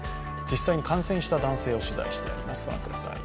実際に感染した男性を取材してあります。